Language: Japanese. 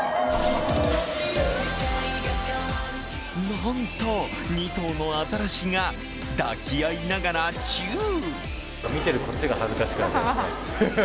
なんと２頭のアザラシが抱き合いながらチュー。